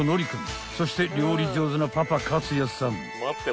［そして料理上手なパパ勝哉さん］